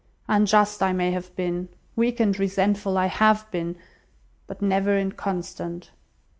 Unjust I may have been, weak and resentful I have been, but never inconstant.